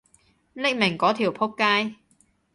匿名嗰條僕街